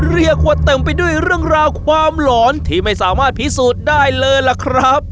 เรียกว่าเต็มไปด้วยเรื่องราวความหลอนที่ไม่สามารถพิสูจน์ได้เลยล่ะครับ